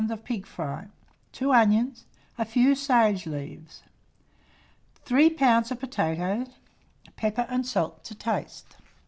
of pig's fry, 2 onions, a few sage leaves, 3 lbs. of potatoes, pepper and salt to taste.